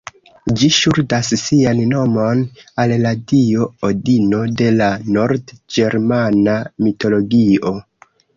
Ĝi ŝuldas sian nomon al la dio Odino de la nord-ĝermana mitologio.